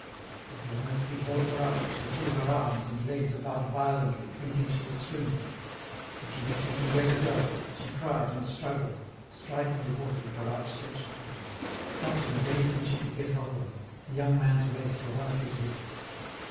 As long as he held her up she threw her arms and legs about violently, thinking she was swimming; but directly he let her go, she cried and struggled, striking the water with her outstretched hands, clutching at anything she could get hold of, the young man's waist or one of his wrists.